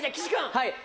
はい。